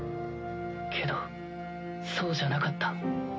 けどそうじゃなかった。